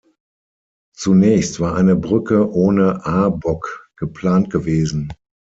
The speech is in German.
Zunächst war eine Brücke ohne A-Bock geplant gewesen.